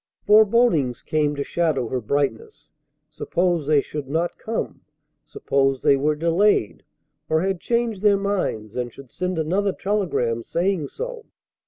Forebodings came to shadow her brightness. Suppose they should not come! Suppose they were delayed, or had changed their minds and should send another telegram saying so!